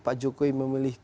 pak jokowi memilih